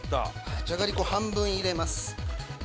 「じゃがりこ半分入れます」